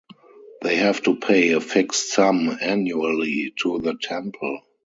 They have to pay a fixed sum annually to the temple.